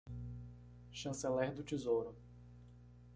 Chanceler do Tesouro